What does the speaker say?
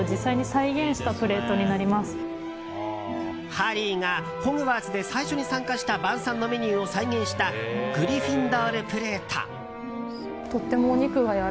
ハリーがホグワーツで最初に参加した晩餐のメニューを再現したグリフィンドールプレート。